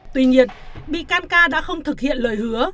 tuy nhiên bị can ca đã không thực hiện lời hứa